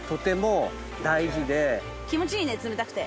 気持ちいいね冷たくて。